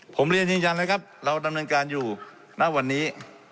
ผมเรียนยืนยันนะครับเราดำเนินการอยู่ณวันนี้